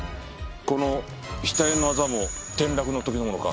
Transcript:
この額のあざも転落の時のものか？